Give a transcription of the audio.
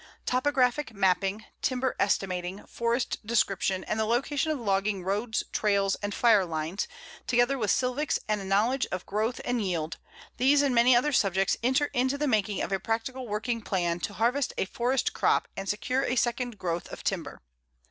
Topographic mapping, timber estimating, forest description, and the location of logging roads, trails, and fire lines, together with Silvics and a knowledge of growth and yield these and many other subjects enter into the making of a practical working plan to harvest a forest crop and secure a second growth of timber.